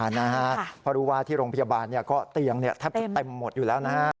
เพราะรู้ว่าที่โรงพยาบาลก็เตียงแทบจะเต็มหมดอยู่แล้วนะฮะ